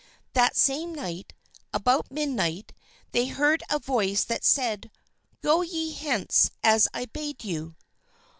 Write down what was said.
That same night, about midnight, they heard a voice that said, "Go ye hence as I bade you."